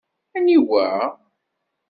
Aniwa?